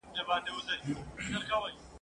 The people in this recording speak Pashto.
د خان کورته یې راوړې کربلا وه !.